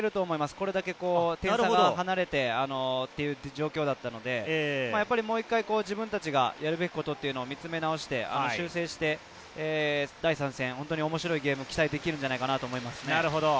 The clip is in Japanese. これだけ点差が離れてという状況だったので、もう一回、自分たちがやるべきことを見つめ直し、修正して、第３戦、面白いゲームを期待できるんじゃないかと思いますね。